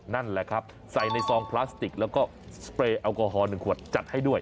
นั่นแหละครับใส่ในซองพลาสติกแล้วก็สเปรย์แอลกอฮอล๑ขวดจัดให้ด้วย